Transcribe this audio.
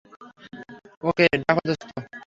ওকে ডাকো দোস্ত।